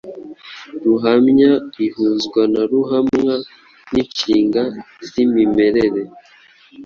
Ruhamya ihuzwa na ruhamwa n’inshinga z’imimerere